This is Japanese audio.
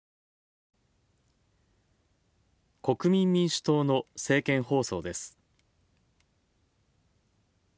国民民主党の政見放送です。